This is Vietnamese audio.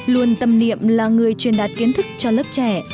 luôn tâm niệm là người truyền đạt kiến thức cho lớp trẻ